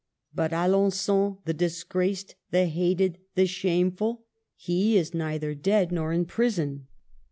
But Alengon, the disgraced, the hated, the shameful, he is neither dead nor in prison.